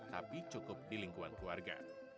tapi cukup di lingkungan keluarga